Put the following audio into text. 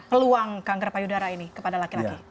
peluang kanker payudara ini kepada laki laki